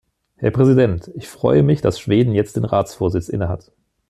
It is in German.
Herr Präsident! Ich freue mich, dass Schweden jetzt den Ratsvorsitz innehat.